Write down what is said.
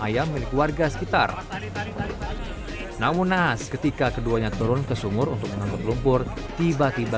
ayam milik warga sekitar namun naas ketika keduanya turun ke sumur untuk mengangkut lumpur tiba tiba